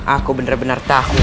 aku benar benar tahu ibu nda